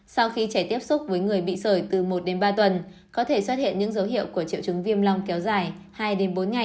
sau khi trẻ tiếp xúc với người bị sởi từ một đến ba tuần có thể xuất hiện những dấu hiệu của triệu chứng viêm long kéo dài hai đến bốn ngày